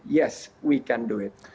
ya kita bisa melakukannya